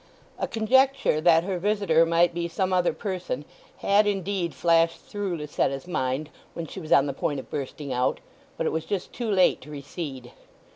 A conjecture that her visitor might be some other person had, indeed, flashed through Lucetta's mind when she was on the point of bursting out; but it was just too late to recede.